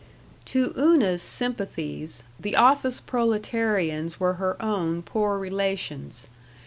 To Una's sympathies, the office proletarians were her own poor relations.